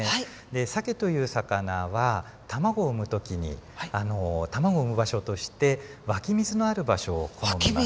サケという魚は卵を産む時に卵を産む場所として湧き水のある場所を好みます。